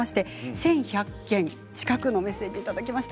１１００件近くのメッセージをいただきました。